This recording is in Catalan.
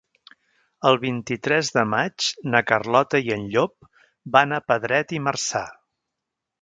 El vint-i-tres de maig na Carlota i en Llop van a Pedret i Marzà.